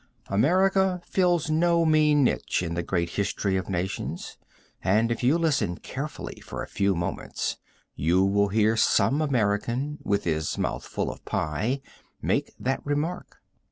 America fills no mean niche in the great history of nations, and if you listen carefully for a few moments you will hear some American, with his mouth full of pie, make that remark.